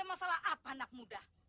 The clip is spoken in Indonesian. masalah apa anak muda